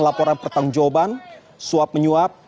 laporan pertanggung jawaban suap menyuap